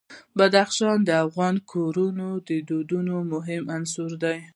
بدخشان د افغان کورنیو د دودونو مهم عنصر دی.